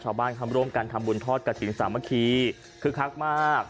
ชาวบ้านทำร่วมกันทำบุญทอดกับสิ่งสามเมื่อกี้คือคลักมาก